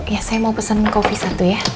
ya saya mau pesen kopi satu ya